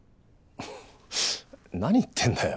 ははっ何言ってんだよ。